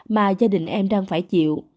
mà gia đình em đang phải chịu